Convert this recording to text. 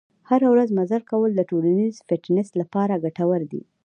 هره ورځ مزل کول د ټولیز فټنس لپاره ګټور دي.